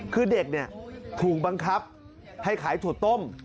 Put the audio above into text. คือเด็กถูกบังคับให้ขายถั่วต้ม